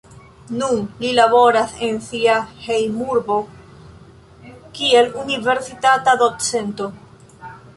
Nun li laboras en sia hejmurbo kiel universitata docento.